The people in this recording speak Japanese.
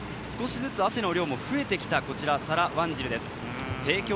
少しずつ汗の量も増えてきたサラ・ワンジルです。